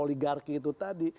oligarki itu tadi